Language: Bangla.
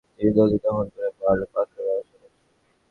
হাইকোর্টের নির্দেশ অমান্য করে তিনি নদী দখল করে বালু-পাথরের ব্যবসা করছেন।